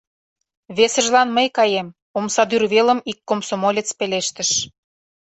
— Весыжлан мый каем, — омсадӱр велым ик комсомолец пелештыш.